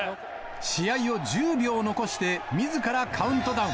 試合を１０秒残して、みずからカウントダウン。